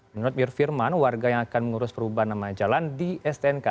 menurut mir firman warga yang akan mengurus perubahan nama jalan di stnk